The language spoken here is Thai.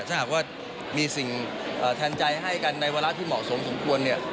ถ้าหากว่ามีสิ่งแทนใจให้กันในวาระที่เหมาะสมสมควรเนี่ย